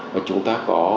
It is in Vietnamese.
và chúng ta có